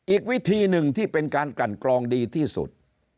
อีกวิธีหนึ่งที่เป็นการกลั่นกรองดีที่สุด